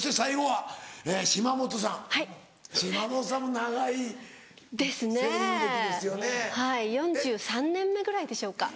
はい４３年目ぐらいでしょうか。